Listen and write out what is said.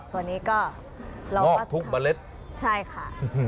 ตัวนี้ก็เราก็ทุกเมล็ดใช่ค่ะ